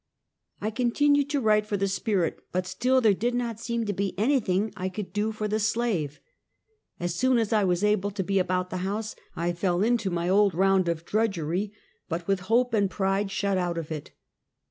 I continued to write for the " Spirit," but still there did not seem to be anything I could do for the slave. As soon as I was able to be about the house, I fell in to my old round of drudgery, but with hope and pride shut out of it.